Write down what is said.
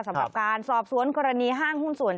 สำหรับการสอบสวนกรณีห้างหุ้นส่วน